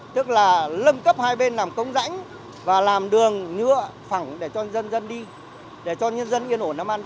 tức là lâm cấp hai bên làm công rãnh và làm đường nhựa phẳng để cho dân dân đi để cho dân dân yên ổn nắm ăn